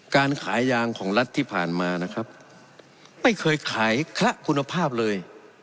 การขายยางของรัฐที่ผ่านมานะครับไม่เคยขายคละคุณภาพเลย